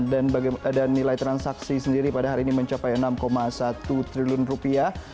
dan nilai transaksi sendiri pada hari ini mencapai enam satu triliun rupiah